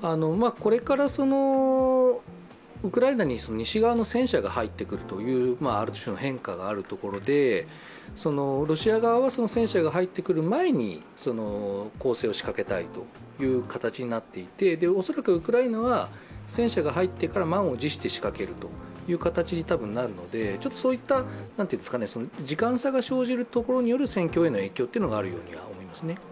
これからウクライナに西側の戦車が入ってくるというある種の変化があるところでロシア側はその戦車が入ってくる前に攻勢を仕掛けたいという形になっていて、恐らくウクライナは、戦車が入ってから満を持してしかける形になると思うので、そういった時間差が生じるところによる戦況への影響があるように思いますね。